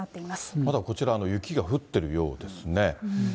まだこちら、雪が降ってるようですね。